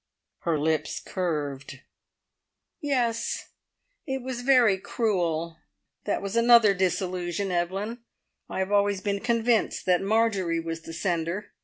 Her lips curved. "Yes. It was very cruel. That was another disillusion, Evelyn. I have always been convinced that Marjorie was the sender.